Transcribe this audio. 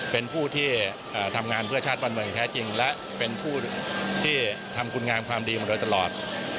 เป็นผู้ที่ทำงานเพื่อชาติบ้านเมืองแท้จริงและเป็นผู้ที่ทำคุณงามความดีมาโดยตลอด